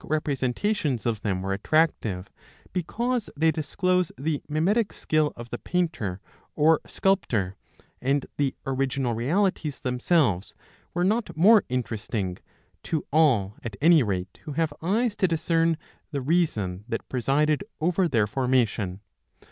17 representations of them were attractive, because they disclose the mimetic skill of the painter or sculptor, and the original realities themselves were not more interesting, to all at any rate who have eyes to discern the reason that presided over their formation.